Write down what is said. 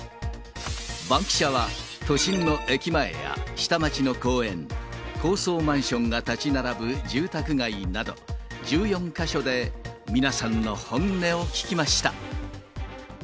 バンキシャは都心の駅前や下町の公園、高層マンションが建ち並ぶ住宅街など、１４か所で皆さんの本音を聞きました。